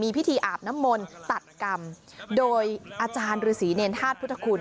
พิธีอาบน้ำมนต์ตัดกรรมโดยอาจารย์ฤษีเนรธาตุพุทธคุณ